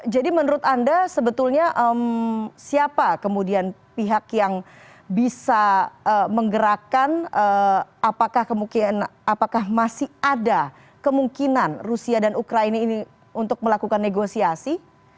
jadi menurut anda sebetulnya siapa kemudian pihak yang bisa menggerakkan apakah masih ada kemungkinan rusia dan ukraini ini untuk melakukan negosiasi